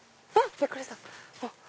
びっくりした。